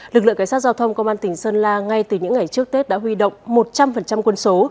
lực lượng cảnh sát giao thông công an tỉnh sơn la ngay từ những ngày trước tết đã huy động một trăm linh quân số